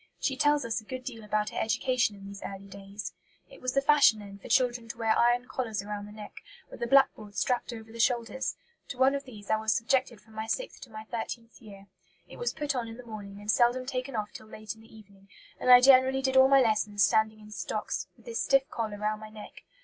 She tells us a good deal about her education in these early days. "It was the fashion then for children to wear iron collars round the neck, with a backboard strapped over the shoulders; to one of these I was subjected from my sixth to my thirteenth year. It was put on in the morning, and seldom taken off till late in the evening, and I generally did all my lessons standing in stocks, with this stiff collar round my neck.